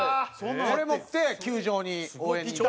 これ持って球場に応援に行って。